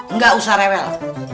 nggak usah rewel